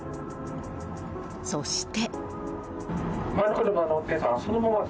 そして。